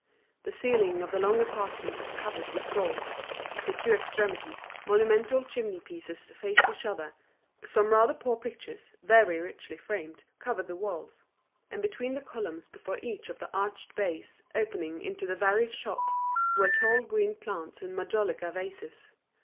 The ceiling of the long apartment was covered with gold; at the two extremities, monumental chimney pieces faced each other; some rather poor pictures, very richly framed, covered the walls; and between the columns before each of the arched bays opening into the various shops, were tall green plants in majolica vases.